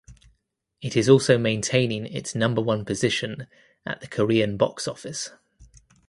It is also maintaining its number one position at the Korean box office.